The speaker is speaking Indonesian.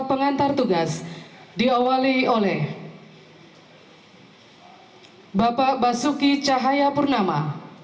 pengantar tugas di awali oleh bapak basuki cahaya purnama